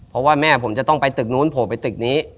เพราะว่าแม่ผมจะต้องไปตึกนู้นโผล่ไปตึกนี้